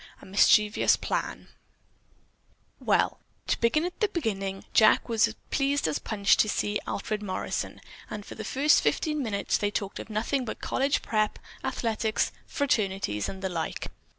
A MISCHIEVOUS PLAN "Well, to begin at the beginning, Jack was pleased as punch to see Alfred Morrison, and for the first fifteen minutes they talked of nothing but college prep, athletics, fraternities and the like.